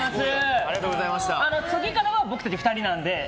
次からは僕たち２人なので。